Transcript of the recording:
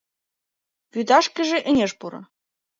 — Вӱташкыже ынеж пуро.